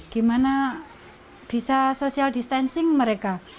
gimana bisa social distancing mereka